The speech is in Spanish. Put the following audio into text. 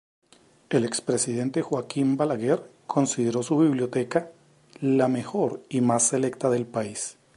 El expresidente Joaquin Balaguer, considero su biblioteca "la mejor y más selecta del país".